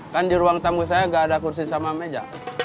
kan di ruang tamu saya gak ada kursi sama meja